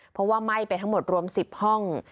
เพราะว่าไหม้ไปทั้งหมดรวม๑๐ห้อง